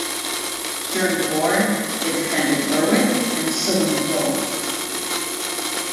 During the war it defended Lerwick and Sullom Voe.